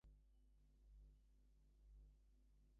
In The Power of Shazam!